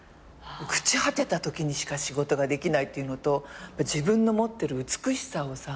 朽ち果てたときにしか仕事ができないっていうのと自分の持ってる美しさをさ